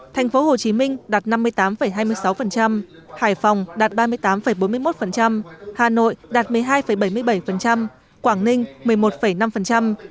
thành phố hồ chí minh đạt năm mươi tám hai mươi sáu hải phòng đạt ba mươi tám bốn mươi một hà nội đạt một mươi hai bảy mươi bảy quảng ninh một mươi một năm